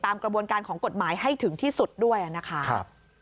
กระบวนการของกฎหมายให้ถึงที่สุดด้วยนะคะ